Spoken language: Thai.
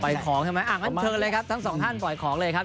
ของใช่ไหมอ่ะงั้นเชิญเลยครับทั้งสองท่านปล่อยของเลยครับ